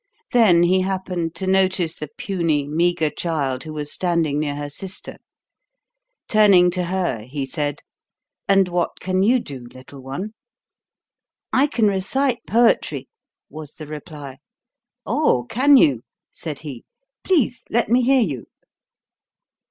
Then he happened to notice the puny, meager child who was standing near her sister. Turning to her, he said: "And what can you do, little one?" "I can recite poetry," was the reply. "Oh, can you?" said he. "Please let me hear you."